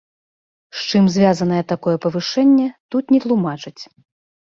З чым звязанае такое павышэнне, тут не тлумачаць.